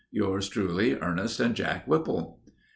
Yours truly, ERNEST AND JACK WHIPPLE.